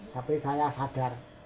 tapi saya sadar